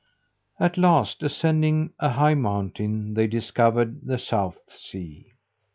At last, ascending a high mountain, they discovered the South Sea.